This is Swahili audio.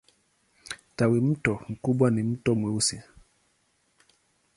Tawimto kubwa ni Mto Mweusi.